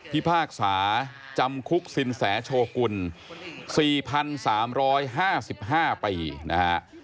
พากษาจำคุกสินแสโชกุล๔๓๕๕ปีนะฮะ